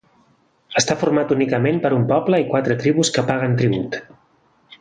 Està format únicament per un poble i quatre tribus que paguen tribut.